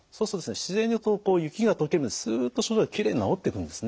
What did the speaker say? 自然にこう雪が解けるようにすっと症状がきれいに治っていくんですね。